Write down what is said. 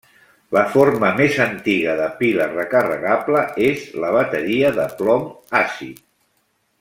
La forma més antiga de pila recarregable és la bateria de plom-àcid.